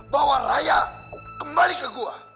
bawa rai kembali ke gue